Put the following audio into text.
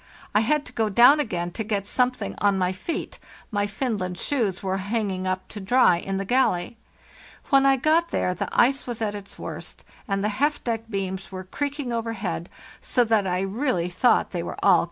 I had to go down again to get something on my feet; my Finland shoes were hanging up to dry in the galley. When I got there the ice was at its worst, and the half deck beams were creak ing overhead, so that I really thought they were all com ing down.